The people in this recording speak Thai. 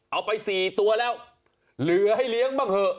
เอาไป๔ตัวแล้วเหลือให้เลี้ยงบ้างเถอะ